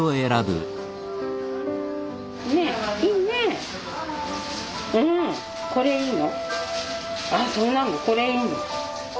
ああそうなのこれいいの。